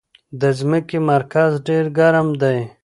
د ځمکې مرکز ډېر ګرم دی.